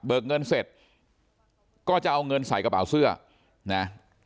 เงินเสร็จก็จะเอาเงินใส่กระเป๋าเสื้อนะ